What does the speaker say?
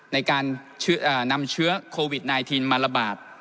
ในการนำเชื้อโควิด๑๙มาระบาด